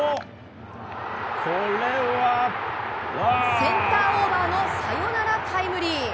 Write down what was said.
センターオーバーのサヨナラタイムリー。